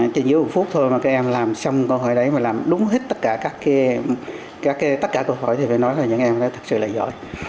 trên dưới một phút thôi mà các em làm xong câu hỏi đấy mà làm đúng hết tất cả các câu hỏi thì phải nói là những em đó thật sự là giỏi